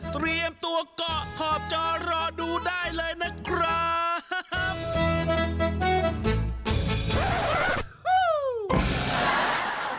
เตรียมตัวเกาะขอบจอรอดูได้เลยนะครับ